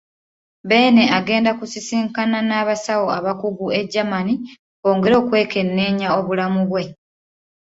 Beene agenda kusisinkana n'abasawo abakugu e Germany bongere okwekenneenya obulamu bwe.